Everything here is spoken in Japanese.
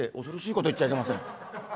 「恐ろしいこと言っちゃいけません。